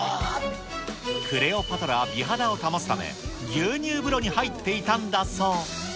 クレオパトラは美肌を保つため、牛乳風呂に入っていたんだそう。